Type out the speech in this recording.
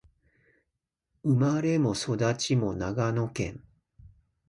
生まれも育ちも長野県